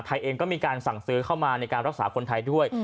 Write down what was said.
ไทยเองก็มีการสั่งซื้อเข้ามาในการรักษาคนไทยด้วย